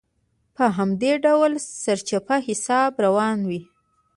په همدې ډول سرچپه حساب روان وي.